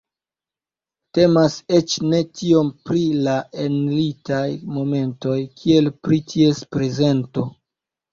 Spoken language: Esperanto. Temas eĉ ne tiom pri la enlitaj momentoj, kiel pri ties prezento.